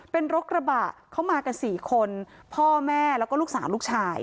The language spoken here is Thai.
เป็นรถกระบะเข้ามากัน๔คนพ่อแม่แล้วก็ลูกสาวลูกชาย